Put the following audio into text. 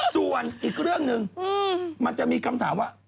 ส่วนอีกเรื่องหนึ่งมันจะมีคำถามว่า